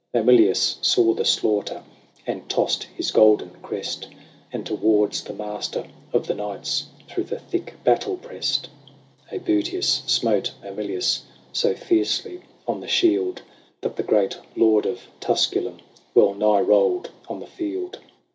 Mamilius saw the slaughter, And tossed his golden crest, And towards the Master of the Knights Through the thick battle pressed, ^butius smote Mamilius So fiercely on the shield That the great lord of Tusculum Well nigh rolled on the field.